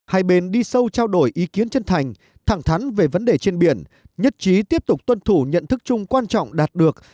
hai bên đi sâu trao đổi ý kiến chân thành thẳng thắn về vấn đề trên biển nhất trí tiếp tục tuân thủ nhận thức chung quan trọng đạt được